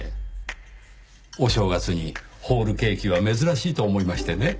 お正月にホールケーキは珍しいと思いましてね。